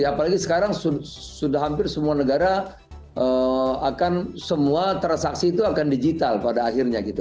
apalagi sekarang sudah hampir semua negara akan semua transaksi itu akan digital pada akhirnya gitu